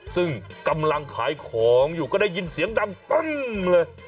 ซึ่งกำลังขายของอยู่ก็ได้ยินเสียงดังปั้งเลย